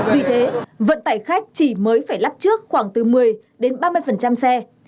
vì thế vận tải khách chỉ mới phải lắp trước khoảng từ một mươi đến ba mươi xe